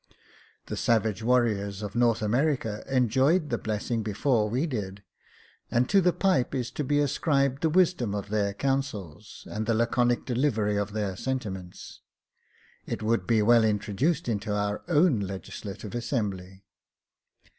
The savage warriors of North America enjoyed the blessing before we did j and to the pipe is to be ascribed the wisdom of their councils, and the Jacob Faithful 3 laconic delivery of their sentiments. It would be well introduced into our own legislative assembly.